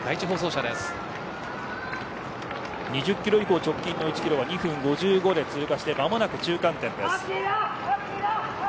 ２０キロ以降直近の１キロは２分５５で通過して間もなく中間点です。